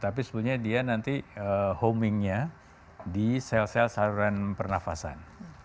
tapi sebetulnya dia nanti homingnya di sel sel saluran pernafasan